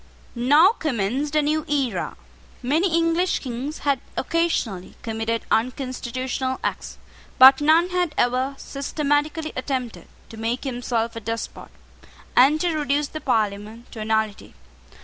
Now commenced a new era. Many English Kings had occasionally committed unconstitutional acts: but none had ever systematically attempted to make himself a despot, and to reduce the Parliament to a nullity.